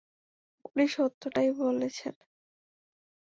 উনি সত্যিটাই বলেছেন।